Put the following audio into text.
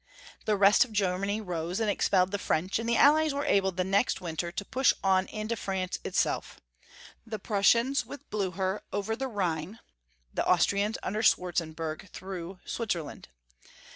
The rest of Germany rose and expelled the French, and the Allies were able the next winter to push on into France itself — the Prussians, with Blucher, over the Rhine ; the Austrians, under Swartzen berg, through Switzerland.